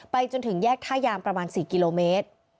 จนถึงแยกท่ายางประมาณ๔กิโลเมตร